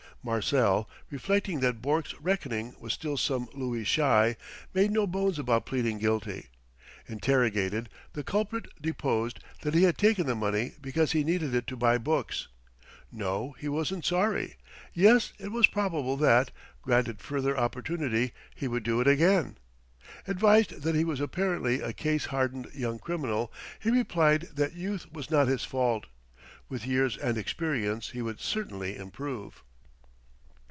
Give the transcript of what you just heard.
Marcel, reflecting that Bourke's reckoning was still some louis shy, made no bones about pleading guilty. Interrogated, the culprit deposed that he had taken the money because he needed it to buy books. No, he wasn't sorry. Yes, it was probable that, granted further opportunity, he would do it again. Advised that he was apparently a case hardened young criminal, he replied that youth was not his fault; with years and experience he would certainly improve.